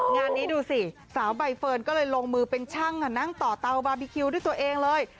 งานนี้ดูสิสาวใบเฟิร์นก็เลยลงมือเป็นช่างนั่งต่อเตาบาร์บีคิวด้วยตัวเองเลย